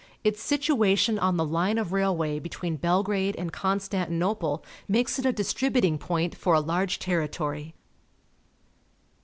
Its situation on the Une of railway between Belgrade and Constantinople makes it a distributing point for a large territory.